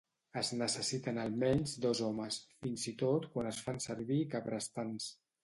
Es necessiten almenys dos homes, fins i tot quan es fan servir cabrestants.